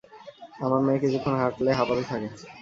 আমার মেয়ে কিছুক্ষণ হাঁটলে হাঁপাতে থাকে।